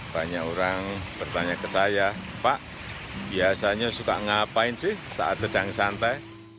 banyak orang bertanya ke saya pak biasanya suka ngapain sih saat sedang santai